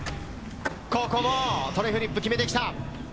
ここもトレフリップ、決めてきた。